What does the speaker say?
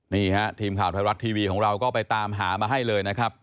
นี่ฮะทีมข่าวไทยรัฐทีวีของเราก็ไปตามหามาให้เลยนะครับ